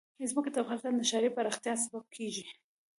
ځمکه د افغانستان د ښاري پراختیا سبب کېږي.